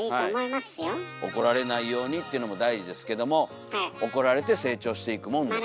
怒られないようにっていうのも大事ですけども怒られて成長していくもんですから。